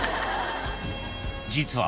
［実は］